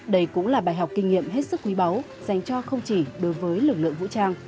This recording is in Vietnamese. đây cũng là bài học kinh nghiệm hết sức quý báu dành cho không chỉ đối với lực lượng vũ trang